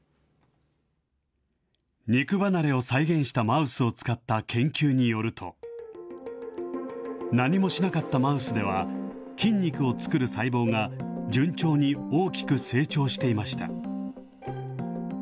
肉離れを再現したマウスを使った研究によると、何もしなかったマウスでは、筋肉を作る細胞が順調に大きく成長していました。